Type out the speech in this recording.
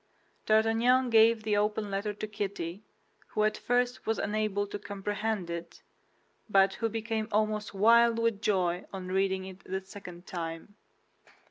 D'Artagnan gave the open letter to Kitty, who at first was unable to comprehend it, but who became almost wild with joy on reading it a second time.